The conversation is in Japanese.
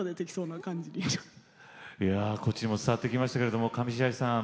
こっちにも伝わってきましたけれども上白石さん